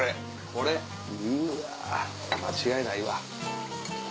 これうわ間違いないわ。